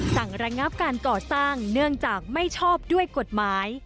ระงับการก่อสร้างเนื่องจากไม่ชอบด้วยกฎหมาย